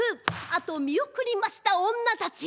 あとを見送りました女たち。